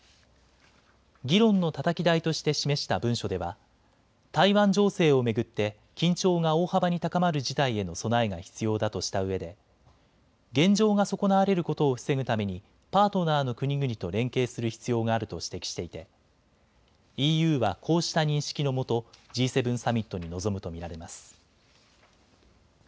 議論のたたき台として示した文書では、台湾情勢を巡って緊張が大幅に高まる事態への備えが必要だとしたうえで現状が損なわれることを防ぐためにパートナーの国々と連携する必要があると指摘していてＥＵはこうした認識のもとＧ７サミットに臨むと見られます。